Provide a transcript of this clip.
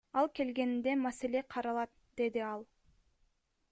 Ал келгенде маселе каралат, — деди ал.